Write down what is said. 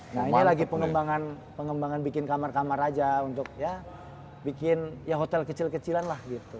nah ini lagi pengembangan pengembangan bikin kamar kamar aja untuk ya bikin ya hotel kecil kecilan lah gitu